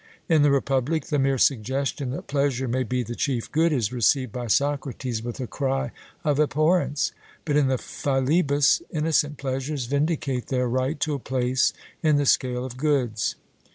In the Republic, the mere suggestion that pleasure may be the chief good, is received by Socrates with a cry of abhorrence; but in the Philebus, innocent pleasures vindicate their right to a place in the scale of goods.